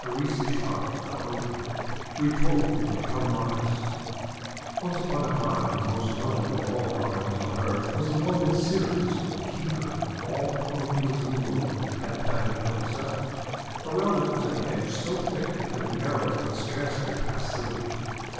ERYSICHTHON THE HUNGRY Retold from Callimachus ONCE upon a time, the most lovely of all gar dens on earth was the one that Ceres, the Keeper of All the Cornfields in the World, had planted for herself. Around it was a hedge so thick that an arrow could scarcely pass through it.